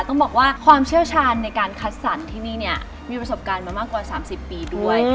ต้องบอกว่าความเชี่ยวชาญในการคัดสรรที่นี่เนี่ยมีประสบการณ์มามากกว่า๓๐ปีด้วย